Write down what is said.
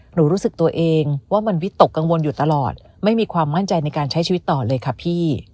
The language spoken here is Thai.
รู้สึกตัวเองว่ามันวิตกกังวลอยู่ตลอดไม่มีความมั่นใจในการใช้ชีวิตต่อเลยค่ะพี่